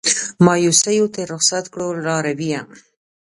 مایوسیو ترې رخصت کړو لارویه